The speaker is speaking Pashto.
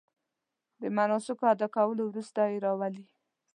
د مناسکو ادا کولو وروسته یې راولي.